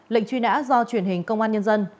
lệnh truy nã do truyền hình công an nhân dân